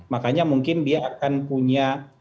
makanya mungkin dia akan punya